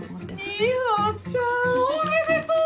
美帆ちゃんおめでとう！